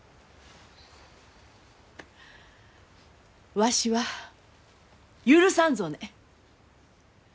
わしは許さんぞね。